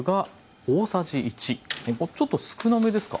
ちょっと少なめですか。